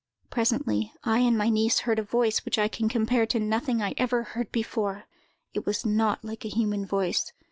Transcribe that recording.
Presently, I and my niece heard a voice which I can compare to nothing I ever heard before. It was not like a human voice.